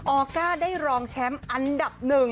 ออก้าได้รองแชมป์อันดับ๑